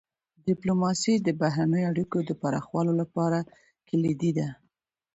ډيپلوماسي د بهرنیو اړیکو د پراخولو لپاره کلیدي ده.